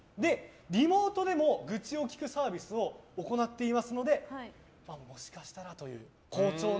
リモートでも愚痴を聞くサービスを行っていますのでもしかしたらという。